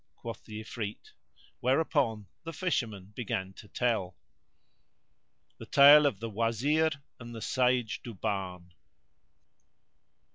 quoth the Ifrit, whereupon the Fisherman began to tell The Tale of the Wazir and the Sage Duban.